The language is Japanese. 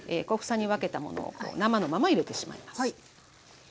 小房に分けたものを生のまま入れてしまいます。